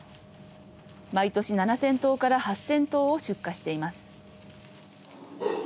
毎年７０００頭から８０００頭を出荷しています。